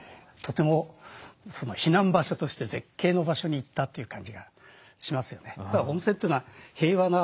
とても避難場所として絶景の場所に行ったという感じがしますよね。